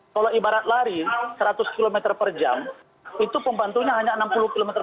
kalau ibarat lari seratus km per jam itu pembantunya hanya enam puluh km